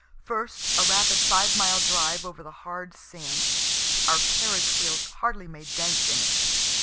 First, a rapid five mile drive over the hard sand our carriage wheels hardly made dents in it.